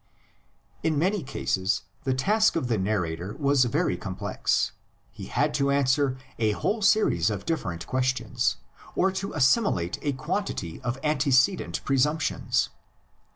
In many cases the task of the narrator was very LITER A R Y FORM OF THE LEGENDS. 77 complex: he had to answer a whole series of differ ent questions, or to assimilate a quantity of antece dent presumptions.